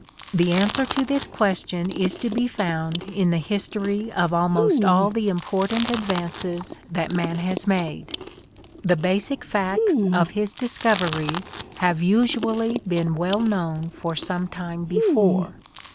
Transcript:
The answer to this question is to be found in the history of almost all the important advances that man has made. The basic facts of his discoveries have usually been well known for some time before.